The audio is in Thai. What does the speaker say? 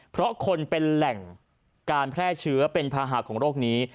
เพราะคนเป็นแหล่งการแพร่เชื้อเป็นภาหะของโรคนี้